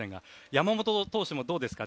山本投手もどうですか？